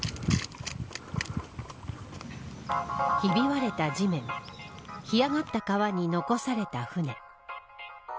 ひび割れた地面干上がった川に残された船。